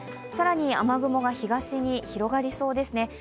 更に、雨雲が東に広がりそうですね